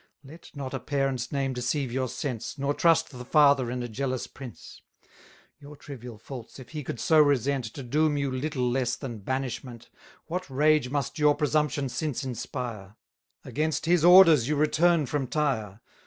Let not a parent's name deceive your sense, Nor trust the father in a jealous prince! Your trivial faults if he could so resent, To doom you little less than banishment, What rage must your presumption since inspire! Against his orders you return from Tyre.